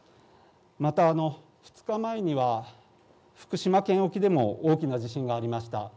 また、２日前には福島県沖でも大きな地震がありました。